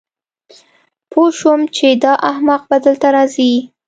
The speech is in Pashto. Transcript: پوه شوم چې دا احمق به دلته راځي